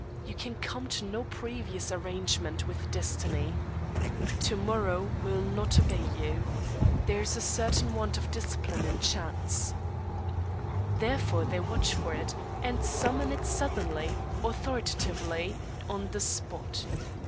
You can come to no previous arrangement with destiny. To morrow will not obey you. There is a certain want of discipline in chance. Therefore they watch for it, and summon it suddenly, authoritatively, on the spot.